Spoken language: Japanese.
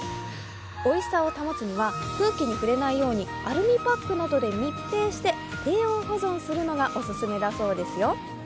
おいしさを保つには空気に触れないようにアルミパックなどで密閉して低温保存するのがオススメだそうですよ。